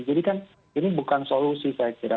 jadi kan ini bukan solusi saya kira